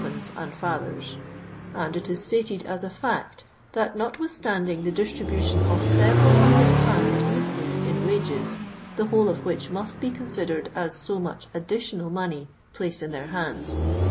ha i>ds and father n : and it is stated as a fact, that, notwithstanding the distribu tion of several hundred pounds weekly in wages, the whole of which must be considered as si much additional mou'^y phicui in their hands.